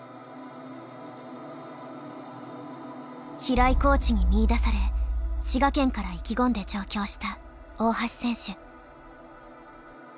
平井コーチに見いだされ滋賀県から意気込んで上京した大橋選手。